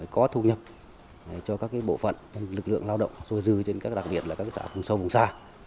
có thu nhập cho các bộ phận lực lượng lao động dù dư trên các đặc biệt là các xã sông sông xa